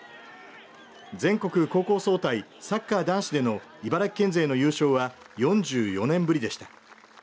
全国高校総体サッカー男子での茨城県勢の優勝は４４年ぶりでした。